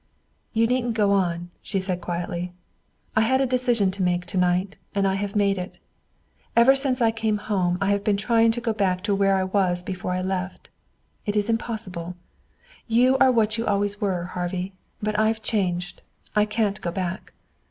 "You needn't go on," she said quietly. "I had a decision to make to night, and I have made it. Ever since I came home I have been trying to go back to where we were before I left. It isn't possible. You are what you always were, Harvey. But I've changed. I can't go back."